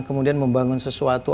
kemudian membangun sesuatu